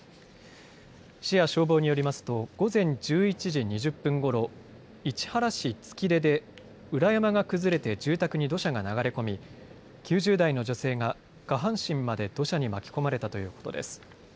市や消防によりますと午前１１時２０分ごろ、市原市月出で裏山が崩れて住宅に土砂が流れ込み９０代の女性が下半身まで土砂に巻き込まれたということです。